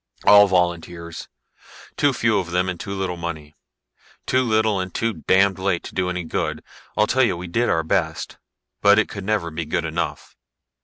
"All volunteers, too few of them and too little money. Too little and too damned late to do any good. I'll tell you we did our best, but it could never be good enough.